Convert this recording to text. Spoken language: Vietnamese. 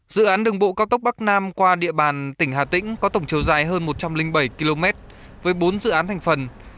dự án đường bộ cao tốc bắc nam qua địa bàn tỉnh hà tĩnh có tổng chiều dài hơn một trăm linh bảy km với bốn dự án thành phần